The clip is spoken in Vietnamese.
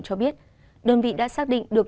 cho biết đơn vị đã xác định được